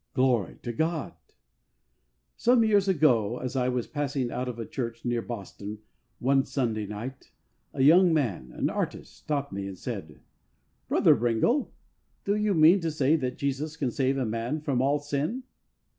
Glory to God ! Some years ago, as I was passing out of a church near Boston, one Sunday night, a young man, an artist, stopped me and said, "Brother Brengle, do you mean to say that Jesus can save a man from all sin